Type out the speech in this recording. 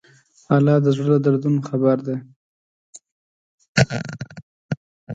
الله د زړه له دردونو خبر دی.